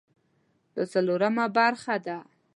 دا څلورمه برخه ده